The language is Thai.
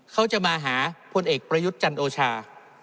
เขาจะมาหาพลเอกประยุทธ์จันโอชา